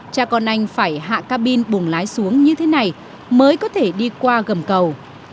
cha con anh phải hạ cabin bùng lái xuống như thế này mới có thể đi qua gầm cầu